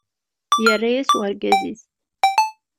Yerra-as urgaz-is.